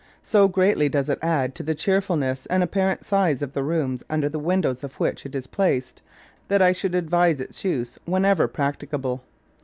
So greatly does it add to the cheerfulness and ap parent size of the rooms under the windows of which it is placed that I should advise its use whenever practicable.